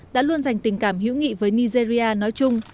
đã luôn dành tình cảm hữu nghị với nigeria nói chung